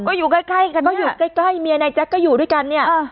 ก็อยู่ใกล้กันก็อยู่ใกล้เมียนายแจ๊กก็อยู่ด้วยกันเนี่ย